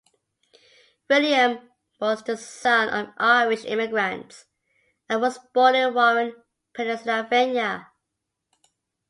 William was the son of Irish immigrants, and was born in Warren, Pennsylvania.